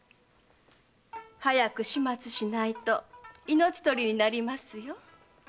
早く始末しないと命取りになりますよ。